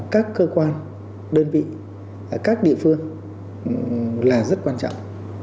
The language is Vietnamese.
các cơ quan đơn vị các địa phương là rất quan trọng